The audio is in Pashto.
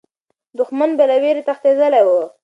دښمن به له ویرې تښتېدلی وو.